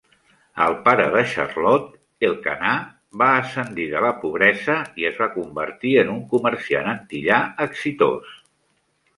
El pare de Charlotte, Elkanah, va ascendir de la pobresa i es va convertir en un comerciant antillà exitós.